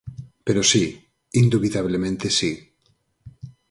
Pero si, indubidablemente si.